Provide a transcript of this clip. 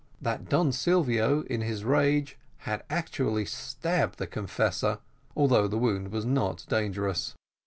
That Don Silvio in his rage had actually stabbed the confessor, although the wound was not dangerous.